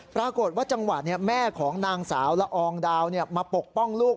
ปรากฏว่าจังหวะนี้แม่ของนางสาวละอองดาวมาปกป้องลูก